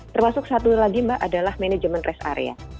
termasuk satu lagi mbak adalah manajemen rest area